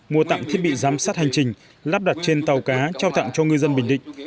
mua tặng thiết bị giám sát hành trình lắp đặt trên tàu cá trao tặng cho ngư dân bình định